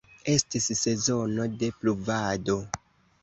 Estis sezono de pluvado.